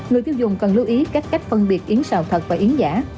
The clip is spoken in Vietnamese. người tiêu dùng cần lưu ý các cách phân biệt yến xào thật và yến giả